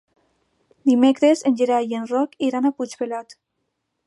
Dimecres en Gerai i en Roc iran a Puigpelat.